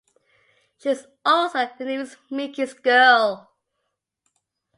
She is also the new Mickey's girl.